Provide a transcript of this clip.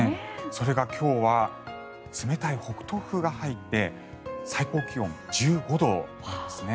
それが今日は冷たい北東風が入って最高気温１５度なんですね。